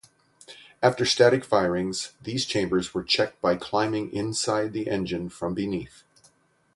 After static firings, these chambers were checked by climbing inside the engine from beneath.